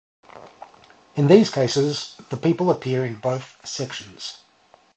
In these cases, the people appear in both sections.